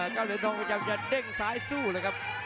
กาลินทรองกำลังจะเด้งซ้ายสู้เลยครับ